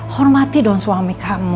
hormati dong suami kamu